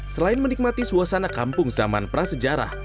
selain menikmati suasana kampung zaman prasejarah